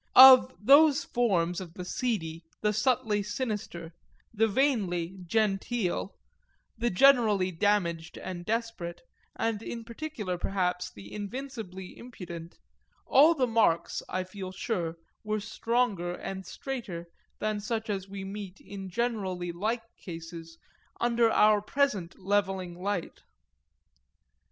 Of those forms of the seedy, the subtly sinister, the vainly "genteel," the generally damaged and desperate, and in particular perhaps the invincibly impudent, all the marks, I feel sure, were stronger and straighter than such as we meet in generally like cases under our present levelling light.